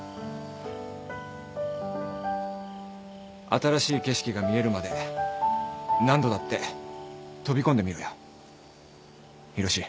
新しい景色が見えるまで何度だって飛び込んでみろよ浩志。